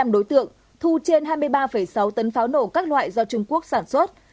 hai trăm bốn mươi năm đối tượng thu trên hai mươi ba sáu tấn pháo nổ các loại do trung quốc sản xuất